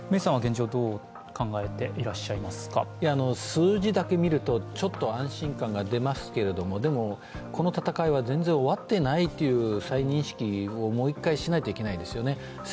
数字だけ見ると、ちょっと安心感が出ますけれども、でもこの戦いは全然終わっていないという再認識をもう一回しないといけないですよね。